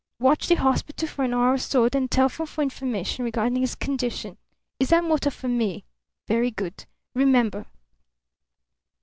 Watch the hospital for an hour or so, then telephone for information regarding his condition. Is that motor for me? Very good. Remember!"